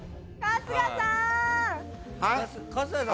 春日さん！